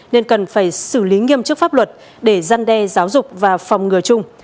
nên cần phải xử lý nghiêm chức pháp luật để gian đe giáo dục và phòng ngừa chung